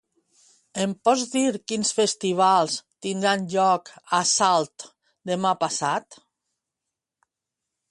Em pots dir quins festivals tindran lloc a Salt demà passat?